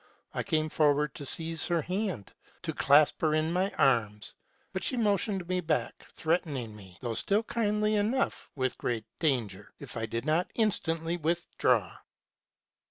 I came forward to seize her hand, to clasp her in my arms ; but she motioned me back, threatening me, though still kindly enough, with great danger if I did not instantly withdraw.